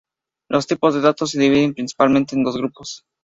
Los tipos de datos se dividen principalmente en dos grupos.